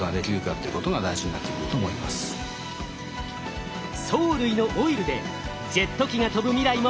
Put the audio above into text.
藻類のオイルでジェット機が飛ぶ未来も夢じゃない！